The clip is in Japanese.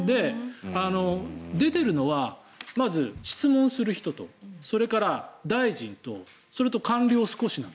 出ているのはまず質問する人と大臣とそれから官僚が少し。